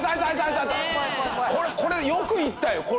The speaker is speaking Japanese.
これこれよく行ったよ。